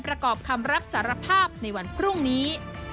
ประกอบคำรับสารภาพในวันพรุ่งนี้